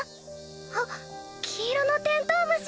あっ黄色のテントウムシ